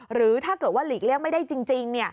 หรือถ้าเกิดว่าหลีกเลี่ยงไม่ได้จริง